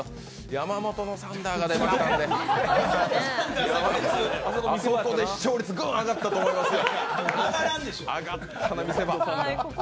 山本のサンダーが出ましたんで、あそこで視聴率グーン上がったと思いますよ。